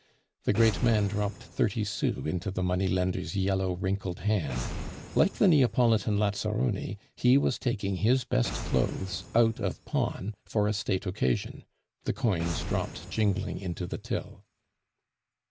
The great man dropped thirty sous into the money lender's yellow, wrinkled hand; like the Neapolitan lazzaroni, he was taking his best clothes out of pawn for a state occasion. The coins dropped jingling into the till.